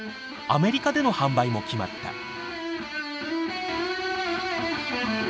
アメリカでの販売も決まった。